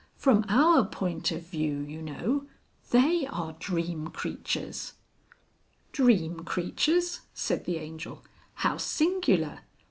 From our point of view, you know, they are Dream Creatures...." "Dream Creatures!" said the Angel. "How singular!